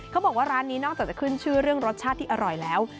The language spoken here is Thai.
เขาบอกว่าร้านนี้นอกจากจะขึ้นชื่อเรื่องรสชาติที่อร่อยแล้ว